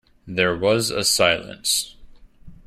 There was a silence.